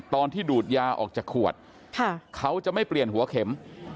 ดูดยาออกจากขวดเขาจะไม่เปลี่ยนหัวเข็ม